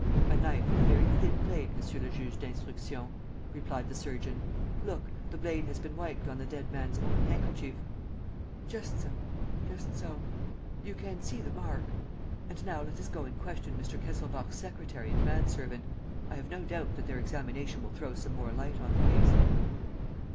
"A knife with a very thin blade, Monsieur le Juge d'Instruction," replied the surgeon. "Look, the blade has been wiped on the dead man's own handkerchief. ..." "Just so ... just so ... you can see the mark. ... And now let us go and question Mr. Kesselbach's secretary and man servant. I have no doubt that their examination will throw some more light on the case."